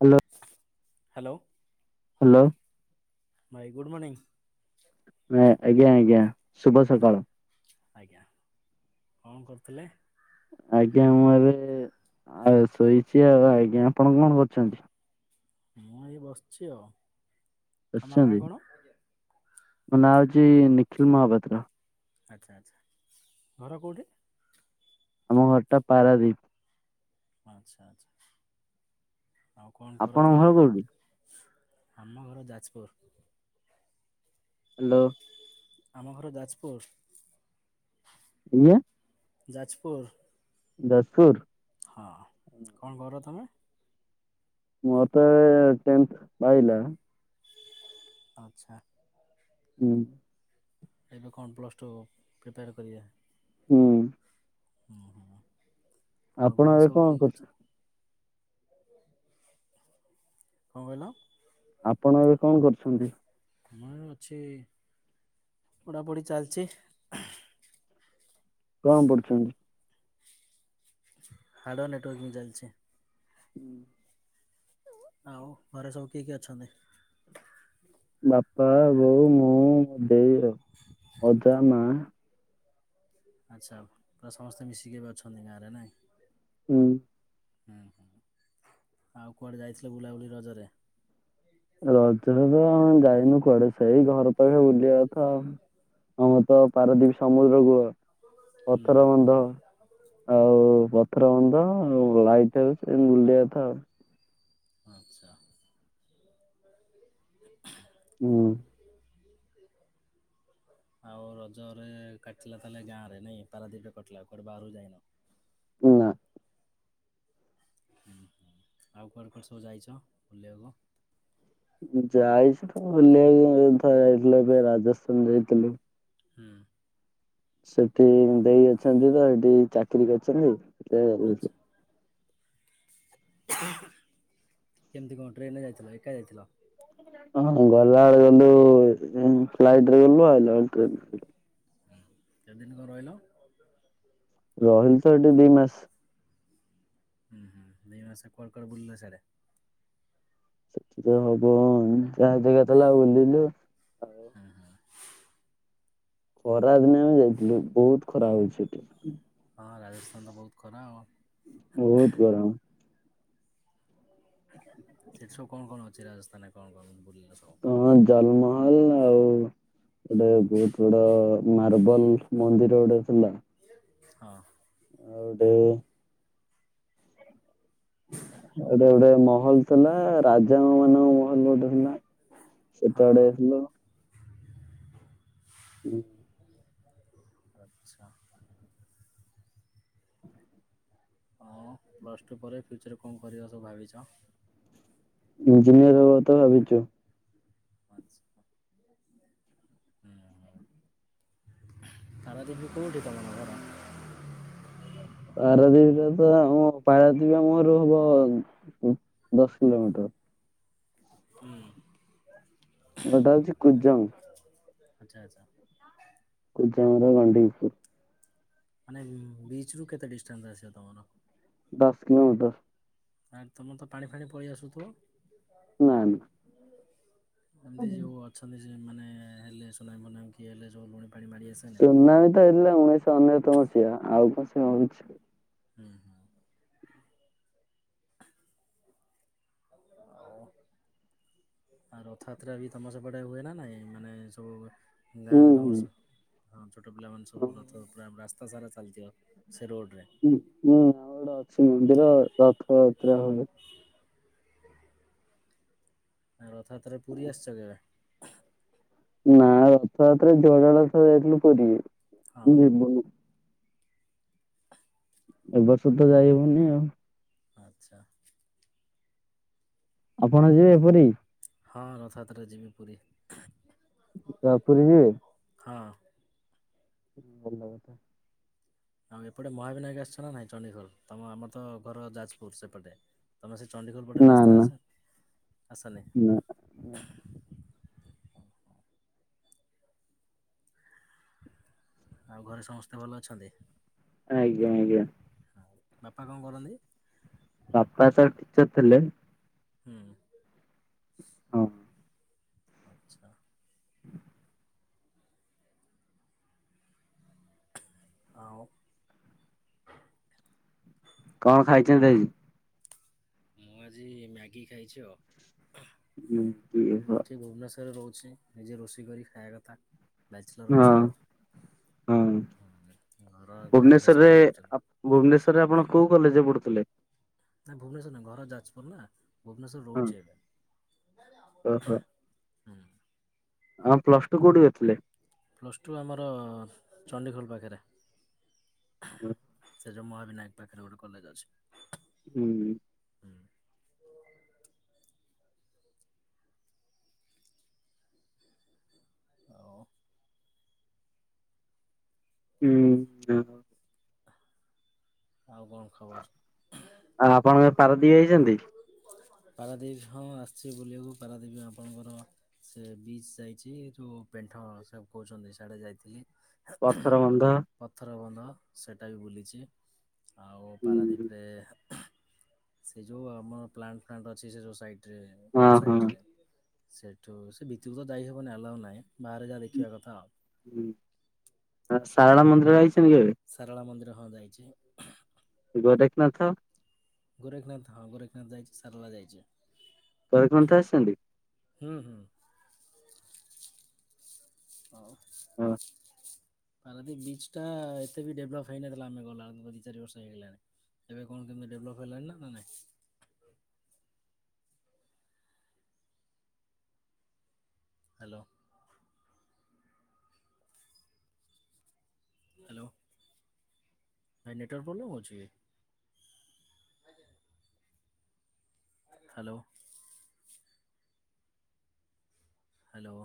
ହା ଲୋ। Hello. Hello. ଭାଇ good morning. ନା ଆଜ୍ଞା ଆଜ୍ଞା ଶୁଭ ସକାଳ। ଆଜ୍ଞା କଣ କରୁଥିଲେ? ଆଜ୍ଞା ମୁଁ ଏବେ ଆଉ ଶୋଇଛି ଆଉ ଆଜ୍ଞା ଆପଣ କଣ କରୁଛନ୍ତି? ମୁଁ ଏଇ ବସିଛି ଆଉ। ତମ ନାଁ ବସିଛନ୍ତି? କଣ? ମୋ ନାଁ ହଉଛି ନିଖିଲ୍ ମହାପାତ୍ର। ଆଚ୍ଛା ଆଚ୍ଛା। ଘର କୋଉଠି? ଆମ ଘରଟା ପାରାଦ୍ବୀପ। ଆଚ୍ଛା ଆଚ୍ଛା। ଆଉ କଣ କର ଆପଣଙ୍କ ଘର ତମେ? କୋଉଠି? ଆମ ଘର ଯାଜପୁର। ହାଲୋ। ଆମ ଘର ଯାଜପୁର। ଇଏ ଯାଜପୁର। ଯାଜପୁର। ହଁ କଣ କର ତମେ? ମୋର ତ ଏବେ ଟେନ୍ଥ ପାଇଲା। ଆଚ୍ଛା। ହୁଁ। ଏବେ କଣ ପ୍ଲସ୍ ଟୁ ପ୍ରିପେୟାର କରିଆ? ହୁଁ। ହୁଁ ହୁଁ। ଆଉ ଆପଣ ଘରେ ଏବେ ସବୁ କଣ କିଏ ଅଛ କରୁଚ? କଣ କହିଲ? ଆପଣ ଏବେ କଣ କରୁଛନ୍ତି? ମୋର ଅଛି ପଢ଼ା ପଢ଼ି ଚାଲଚି। କଣ ପଢୁଛନ୍ତି? ହାର୍ଡ଼ର୍ ନେଟୱାର୍କିଂ ଚାଲଛି। ହୁଁ। ଆଉ ଘରେ ସବୁ କିଏ କିଏ ଅଛନ୍ତି? ବାପା, ବୋଉ, ମୁଁ, ମୋ ଦେଇ ଆଉ ଅଜା, ମାଆ। ଆଚ୍ଛା ପୁରା ସମସ୍ତେ ମିଶିକି ଏବେ ଅଛନ୍ତି ଗାଁରେ ନାଇଁ। ହୁଁ। ହୁଁ ହୁଁ। ଆଉ କୁଆଡ଼େ ଯାଇଥିଲେ ବୁଲାବୁଲି ରଜରେ? ରଜ ରେ ତ ଆମେ ଯାଇନୁ କୁଆଡେ ସେଇ ଘର ପାଖେ ବୁଲି ଏଇଆ କଥା ଆଉ ଆମର ତ ପାରାଦ୍ବୀପ ସମୁଦ୍ର କୂଳ। ହୁଁ ପଥର ବନ୍ଧ ଆଉ ପ ରନ୍ଧ ଆଉ ଲାଇଟ୍ ହାଉସ ଏମିତି ବୁଲିଆ କଥା ଆଉ। ଆଚ୍ଛା। ହୁଁ ଆଉ ରଜରେ କାଚିଲା ତାହେଲେ ଗାଁରେ ନାଇଁ ପାରାଦ୍ୱୀପ ରେ କଟିଲା କୁଆଡ଼େ ବାହାରକୁ ଯାଇନ। ନା। ହୁଁ ହୁଁ ଆଉ କୁଆଡେ କୁଆଡେ ସବୁ ଯାଇଛ ବୁଲିଆକୁ? ଯାଇଛୁ ତ ବୁଲିଆକୁ ଏଇ ତ ଯାଇଥିଲୁ ଏବେ ରାଜସ୍ଥାନ ଯାଇଥିଲୁ। ହୁଁ। ସେଠି ଦେଇ ଅଛନ୍ତି ତ ଦେଇ ଚାକିରୀ କରିଛନ୍ତି ତ ଯାଇଥିଲୁ। କେମତି କଣ ଟ୍ରେନ ରେ ଯାଇଥିଲ ଏକା ଯାଇଥିଲ? ହଁ ଗଲା ବେଳେ ଗଲୁ ଉଁ ଫ୍ଲାଇଟ ରେ ଗଲୁ ଆଇଲା ବେଳେ ଟ୍ରେନ ରେ ଆଇଲୁ। ହୁଁ କେତେ ଦିନି କଣ ରହିଲ? ରହିଲି ତ ଏଠି ଦି ମାସ। ହୁଁ ହୁଁ ଦି ମାସେ କୁଆଡେ କୁଆଡେ ବୁଲିଲ ସାଡ଼େ? ସେଠି ତ ହବ ଯାହା ଜାଗା ଥେଲା ବୁଲିଲୁ ଆଉ। ହୁଁ ଖରା ଦିନେ ଆମେ ଯାଇଥିଲୁ ବହୁତ ଖରା ହଉଛି ସେଠି। ହଁ ରାଜସ୍ଥାନ ତ ବହୁତ୍ ଖରା ଆଉ ବହୁତ ଗରମ ସେଠି ସବୁ କଣ କଣ ଅଛି ରାଜସ୍ଥାନରେ କଣ କଣ ବୁଲିଲ? ସବୁ? ହଁ ତାଜମହଲ ଆଉ ଗୋଟେ ବହୁତ ଗୁଡ଼ା ମାର୍ବଲ ମନ୍ଦିର ଗୋଟେ ଥିଲା। ହଁ। ଆଉ ଗୋଟେ ଗୋଟେ ଗୋଟେ ମହଲ ଥିଲା ରାଜା ମାନଙ୍କ ମହଲ ଗୋଟେ ଥିଲା। ହଁ ସେତେ ଆଡ଼େ ହଁ ଆସିଲ। ହୁଁ ଆଚ୍ଛା। ଆଉ ପ୍ଲସ୍ ଟୁ ପରେ ଫ୍ୟୁଚର୍ ରେ କଣ କରିବା ସବୁ ଭାବିଛ? ଇଞ୍ଜିନିଅର ହେବା ତ ଭାବିଛୁ। ଆଚ୍ଛା ହୁଁ ପାରାଦ୍ଵୀପ ରେ କୋଉଠି ତମ ଘର। ପାରାଦୀପୀଟା ତ ଆମ ପାରାଦ୍ୱୀପୀ ଆମ ଘରୁ ହବ ଉଁ ଦଶ କିଲୋମିଟର। ହୁଁ। ଘରଟା ହଉଚି କୁଜଙ୍ଗ୍। ଆଚ୍ଛା ଆଚ୍ଛା। [unintelligible] ମାନେ ବିଚରୁୁ କେତେ ଡିଷ୍ଟାନ୍ସ୍ ଆସିବ ତମର। ଦଶ କିିଲୋମିଟର। ଆ ତୁମେ ତ ପାଣି ଫାଣି ପଳେଇ ଆସୁଥିବ। ନା ନାଁ ଏମତି ଯୋଉ ଅଛନ୍ତି, ସେ ମାନେ ହେଲେ ସୁନାମି ଫନାମି କି ହେଲେ ଯୋଉ ମା ସୁନାମୀ ତ ହେଇଥିଲା ଉଣେଇଶହ ଅନସତ ମସିହା ଆଉ କଣ ସୁନାମି ଆସିଛିକି। ହୁଁ ହୁଁ। ଆଉ [inaudible] ଆଉ ରଥଯାତ୍ରା ବି ତମ ସେପଟେ ହୁଏ ନା ନାଇଁ, ମାନେ ସବୁ ହୁଁ ଗାଁରେ ହୁଁ। ତମର ସେ ଛୋଟ ପିଲାମାନେ ହଁ, ସବୁ ରଥ ପୁରା ରାସ୍ତା ସାରା ଚାଲିଥିବ। ସେ ରୋଡ଼ରେ। ହଁ ହଁ ଆଉ ଗୋଟେ ଅଛି ମନ୍ଦି ରଥଯାତ୍ରା ହୁଏ। ରଥଯାତ୍ରାରେ ପୁରୀ ଆସିଛ କେବେ? ନା ରଥଯାତ୍ରା [unintelligible] ଯଥିଲୁ ପୁରୀ ହଁ [unintelligible] ଏ ବର୍ଷ ତ ଯାଇହବନି ଆଉ। ଆଚ୍ଛା। ଆପଣ ଯିବେ ପୁରୀ। ହଁ ରଥାଯାତ୍ରା ଯିବି ପୁରୀ ଆ, ପୁରୀ ହଁ। ହୁଁ ଭଲକଥା। ଆଉ ଏପଟେ ମହାବିନାୟକ ଆସିଛ ନା ନାହିଁ ଚଣ୍ଡିଖୋଲ। ତମ ଆମର ତ ଘର ଯାଜପୁର ସେପଟେ। ତୁମେ ସେ ଚଣ୍ଡିଖୋଲ ପଟେ ନା ରାସ୍ତା ନା ଆସ ଆସନି। ନା ଆଉ ଘରେ ସମସ୍ତେ ଭଲ ଅଛନ୍ତି। ଆଜ୍ଞା ଆଜ୍ଞା। ବାପା କଣ କରନ୍ତି। ବାପା ତ ଟିଚର ଥିଲେ। ହୁଁ। ହଁ। ଆଚ୍ଛା। ଆଉ। କଣ ଖାଇଛନ୍ତି ଆଜି। ମୁଁ ଆଜି ମ୍ୟାଗି ଖାଇଛି ଆଉ। ହୁଁ ହୁଁ ଅ ଛି, ନିଜେ ରୋଷେଇ କରି ଖାଇବା କଥା। ବ୍ୟାଚଲର ହଁ ଅଛୁ ଆଉ। ହଁ ହୁଁ, ଘର ଗାଁରେ ସବୁ ରହୁଛନ୍ତି। ଭୁବନେଶ୍ୱରରେ ଭୁବନେଶରରେ ଆପଣ କୋଉ କଲେଜରେ ପଢୁଥିଲେ। ନାଇଁ ଭୁବନେଶ୍ୱର ନୁହେଁ ଘର ଯାଜପୁର ନା। ଭୁବନେଶ୍ୱର ହଁ ରହୁଛି ଏବେ ହୁଁ। ଆଁ ପ୍ଲସ ଟୁ କୋଉଠି କରିଥିଲେ? ପ୍ଲସ୍ ଟୁ ଆମର ଚଣ୍ଡିଖୋଲ ପାଖରେ। ସେ ଯୋଉ ମହାବିନାୟକ ପାଖରେ ଗୋଟେ କଲେଜ ଅଛି। ହୁଁ। ହୁଁ ଆଉ ହୁଁ ଆଉ ଆଉ କଣ ଖବର? ଅ ଆପଣ କେବେ ପାରଦୀପ ଯାଇଛନ୍ତି? ପାରାଦ୍ୱୀପ ହଁ ଆସିଛି ବୁଲିବାକୁ ପାରାଦ୍ୱୀପ ଆପଣଙ୍କର ସେ ବିଚ୍ ଯାଇଛି ଯେଉଁ ପେଣ୍ଟ ହଁ ସେମ୍ କହୁଚନ୍ତି ସିଆଡେ ଯାଇଥିଲି। ପଥର ବନ୍ଧ। ହଁ ସେଇଟା ବି ବୁଲିଛି ଆଉ ହଁ ପାରାଦ୍ୱୀପରେ ସେ ଯେଉଁ ଆମ ପ୍ଲାନ୍ ଫ୍ଲାଣ୍ଟ ଅଛି ସେ ଯେଉଁ ସାଇଟରେ ରୋଡ଼୍ ହଁ। ସାଇଟ୍ରେ ସେଠୁ ସେ ଭିତକୁ ତ ଯାଇ ହେବନି ଆଲାଉ ନାହିଁ ବାହାରେ ଯାହା ଦେଖିବା କଥା ଆଉ। ଆ ସାରଳା ମନ୍ଦିର ଯାଇଛନ୍ତି କେବେ? ହ ଯାଇଛି। ଗୋରେଖନାଥ? ଗୋରେଖନାଥ ହଁ ଗୋରେଖନାଥ ଯାଇଛି ସାରଲା ଯାଇଛି। ଗୋରେଖନାଥ ଆସିଛନ୍ତି? ହୁଁ ହୁଁ। ହଁ। ପାରାଦୀପ ବିଚ ଟା ଏତେ ବି ଡେଭଲପ ହେଇନଥିଲା ଆମେ ଗଲାବେଳକୁ ଦୁଇ ଚାରି ବର୍ଷ ହେଇଗଲାଣି ଏବେ କଣ କେମତି ଡେଭଲପ ହେଲାଣି ନା ନାଇଁ? ହ୍ୟାଲୋ। ହ୍ୟାଲୋ। ଭାଇ ନେଟୱାର୍କ ପ୍ରୋବ୍ଲେମ୍ ହୋଉଛି କି? ହ୍ୟାଲୋ। ହ୍ୟାଲୋ।